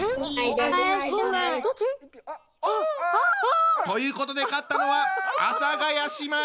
あ！ということで勝ったのは阿佐ヶ谷姉妹！